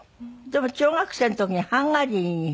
でも中学生の時にハンガリーに。